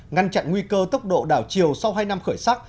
ngăn chặn nguy cơ tốc độ đảo chiều sau hai năm khởi sắc